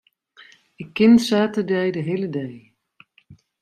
Ik kin saterdei de hiele dei.